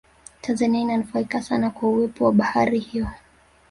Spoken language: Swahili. tanzania inanufaika sana kwa uwepo wa bahari hiyo